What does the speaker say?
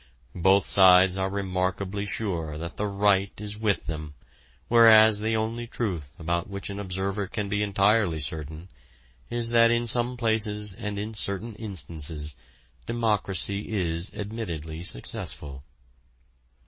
Both sides are remarkably sure that the right is with them, whereas the only truth about which an observer can be entirely certain is that in some places and in certain instances democracy is admittedly successful.